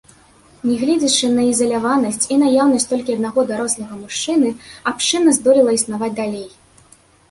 Негледзячы на ізаляванасць і наяўнасць толькі аднаго дарослага мужчыны, абшчына здолела існаваць далей.